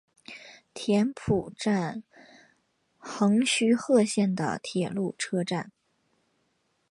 田浦站横须贺线的铁路车站。